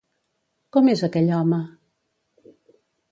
Com és aquell home?